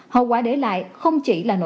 hậu quả để lại không chỉ là nội dung